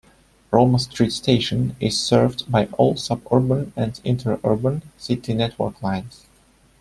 Roma Street station is served by all suburban and interurban City network lines.